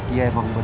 iya emang bener